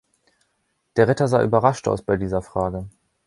Der Ritter sah überrascht aus bei dieser die Frage.